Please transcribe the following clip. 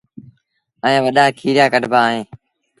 ائيٚݩ وڏآ کيريآ ڪڍيآ وهيݩ دآ